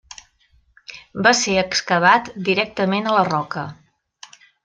Va ser excavat directament a la roca.